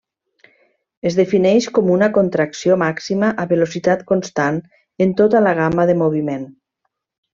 Es defineix com una contracció màxima a velocitat constant en tota la gamma de moviment.